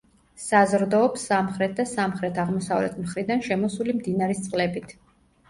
საზრდოობს სამხრეთ და სამხრეთ-აღმოსავლეთ მხრიდან შემოსული მდინარის წყლებით.